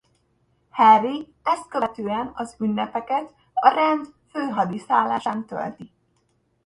Harry ezt követően az ünnepeket a rend főhadiszállásán tölti.